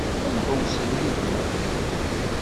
Ad ḥewwsen yid-neɣ?